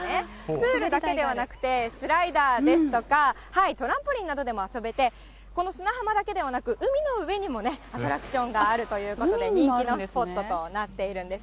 プールだけではなくて、スライダーですとか、トランポリンなんかでも遊べて、この砂浜だけではなく、海の上にもアトラクションがあるということで、人気のスポットとなっているんです。